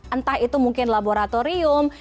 entah itu mungkin laboratorium